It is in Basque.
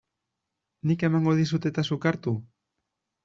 Nik emango dizut eta zuk hartu?